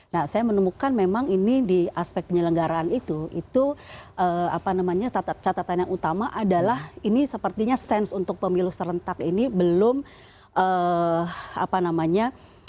nah saya menemukan memang ini di aspek penyelenggaraan itu itu apa namanya catatan yang utama adalah ini sepertinya sense untuk pemilu serentak ini belum apa namanya